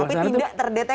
tapi tidak terdeteksi